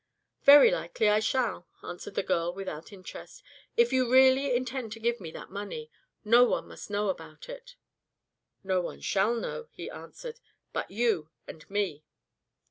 "Very likely I shall," answered the girl without interest. "If you really do intend to give me that money no one must know about it." "No one shall know," he answered, "but you and me."